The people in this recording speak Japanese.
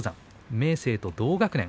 明生と同学年